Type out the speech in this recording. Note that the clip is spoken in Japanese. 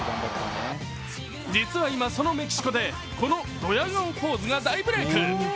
実は今、そのメキシコでこのドヤ顔ポーズが大ブレイク。